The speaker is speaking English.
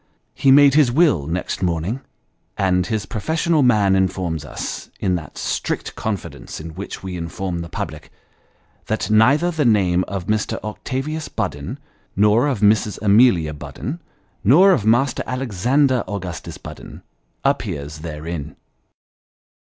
He made his will next morning, and his professional man informs us, in that strict confidence in which we inform the public, that neither the name of Mr. Octavius Budden, nor of Mrs. Amelia Budden, nor of Master Alexander Augustus Budden, appears therein.